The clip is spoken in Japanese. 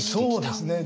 そうですね。